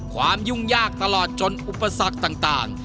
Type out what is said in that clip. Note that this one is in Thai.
ยุ่งยากตลอดจนอุปสรรคต่าง